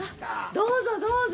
どうぞどうぞ。